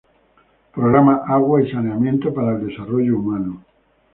Programa Agua y saneamiento para el Desarrollo Humano.